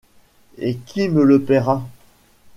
Et qui me le paiera ?...